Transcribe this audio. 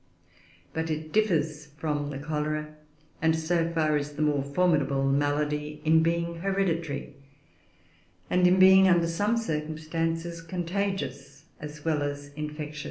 But it differs from the cholera, and so far is a more formidable malady, in being hereditary, and in being, under some circumstances, contagious as well as infectious.